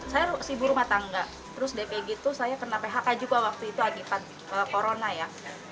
saya ibu rumah tangga terus dpg itu saya kena phk juga waktu itu akibat corona ya